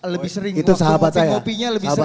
lebih sering waktu ngopi ngopinya lebih sering pak